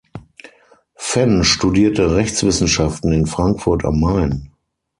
Fenn studierte Rechtswissenschaften in Frankfurt am Main.